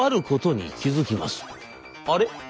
「あれ？